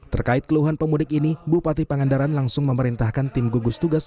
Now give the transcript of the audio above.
terkait keluhan pemudik ini bupati pangandaran langsung memerintahkan tim gugus tugas